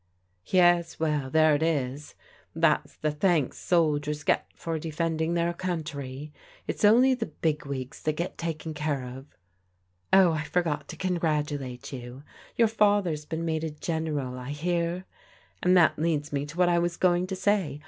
" Yes. Well, there it is. That's the thanks soldiers get for defending their country. It's only the big wigs tiiat get taken care of. Oh, I forgot to congratulate you ; your father's been made a General, I hear. And that leads me to what I was going to say.